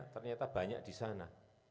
ternyata banyak di sana